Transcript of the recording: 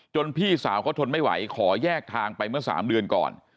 พี่สาวเขาทนไม่ไหวขอแยกทางไปเมื่อ๓เดือนก่อน